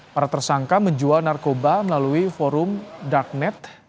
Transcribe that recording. para tersangka menjual narkoba melalui forum darknet